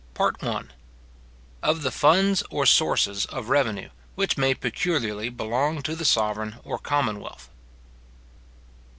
PART I. Of the Funds, or Sources, of Revenue, which may peculiarly belong to the Sovereign or Commonwealth.